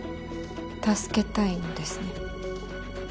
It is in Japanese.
助けたいのですね。